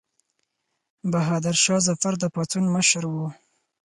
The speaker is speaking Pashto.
بهادر شاه ظفر د پاڅون مشر شو.